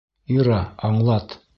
Ира, аңлат.